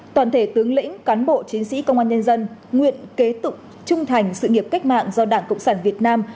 toàn thể tướng lĩnh cán bộ chiến sĩ công an nhân dân nguyện kế tục trung thành sự nghiệp cách mạng do đảng cộng sản việt nam